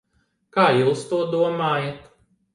Kā jūs to domājat?